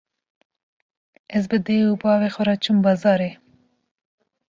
Ez bi dê û bavê xwe re çûm bazarê.